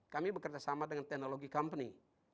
kami bekerja sama dengan teknologi company